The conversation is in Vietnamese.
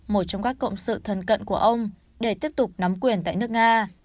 một trong các cộng sự thần cận của ông để tiếp tục nắm quyền tại nước nga